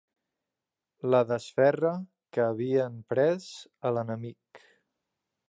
La desferra que havien pres a l'enemic.